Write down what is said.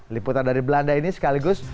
liputan dari belanda ini sekaligus